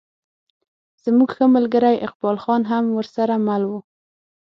زموږ ښه ملګری اقبال خان هم ورسره مل و.